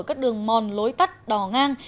các đường mon lối tắt đò ngang